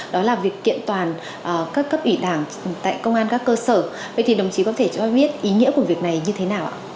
đó là việc kiện toàn các cấp ủy đảng tại công an các cơ sở vậy thì đồng chí có thể cho biết ý nghĩa của việc này như thế nào ạ